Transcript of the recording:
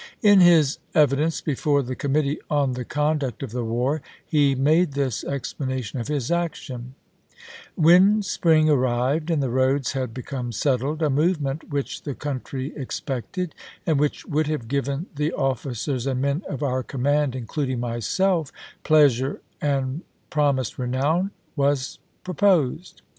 In his evidence before the Committee on the Con duct of the War, he made this explanation of his action :" When spring arrived, and the roads had become settled, a movement which the country expected, and which would have given the officers and men of om' command, including myself, plea sure and promised renown, was proposed.